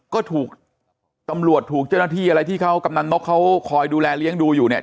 ก็ถูกตำรวจถูกเจ้าหน้าที่อะไรที่เขากำนันนกเขาคอยดูแลเลี้ยงดูอยู่เนี่ย